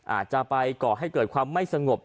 อาจจะไปก่อให้เกิดความไม่สงบ